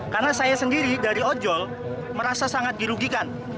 karena saya sendiri dari ojol merasa sangat dirugikan